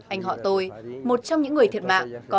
anh họ tôi một trong những người thiệt mạng